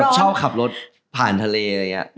ชอบขับรถผ่านทะเลอะไรอย่างนี้